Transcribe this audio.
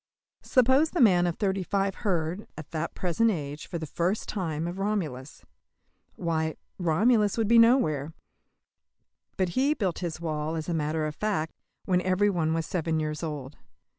Suppose the man of thirty five heard, at that present age, for the first time of Romulus. Why, Romulus would be nowhere. But he built his wall, as a matter of fact, when every one was seven years old.